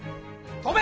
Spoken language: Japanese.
飛べ！